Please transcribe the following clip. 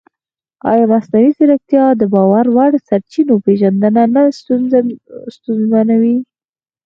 ایا مصنوعي ځیرکتیا د باور وړ سرچینو پېژندنه نه ستونزمنوي؟